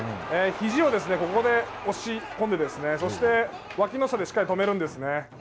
ひじをここで押し込んでそして、わきの下でしっかり止めるんですね。